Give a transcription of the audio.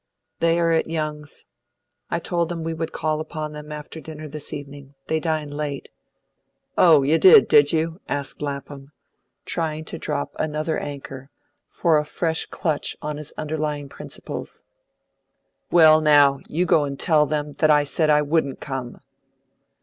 "They are at Young's. I told them we would call upon them after dinner this evening; they dine late." "Oh, you did, did you?" asked Lapham, trying to drop another anchor for a fresh clutch on his underlying principles. "Well, now, you go and tell them that I said I wouldn't come."